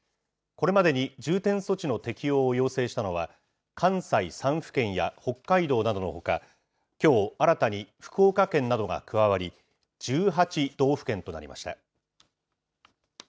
これまでに重点措置の適用を要請したのは、関西３府県や北海道などのほか、きょう新たに福岡県などが加わり、１８道府県となりました。